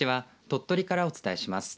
鳥取からお伝えします。